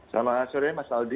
selamat sore mas aldi